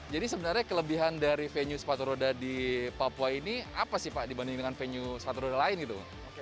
jadi sebenarnya kelebihan dari venue sepatu roda di papua ini apa sih pak dibandingkan venue sepatu roda lain gitu